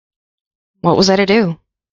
What was I to do?